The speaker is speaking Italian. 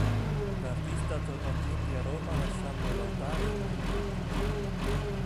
L'artista tornò quindi a Roma lasciando l'altare incompiuto.